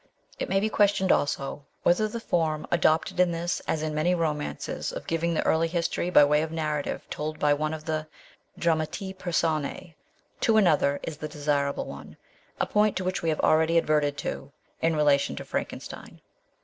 It may be questioned, also, whether the form adopted in this as in many romances of giving the early history by way of narrative told by one of the dramatis persona to another, is the desirable one a point to which we have already adverted in rela tion to Frankenstein.